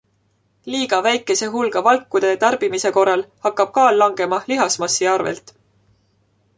Liiga väikese hulga valkude tarbimise korral hakkab kaal langema lihasmassi arvelt.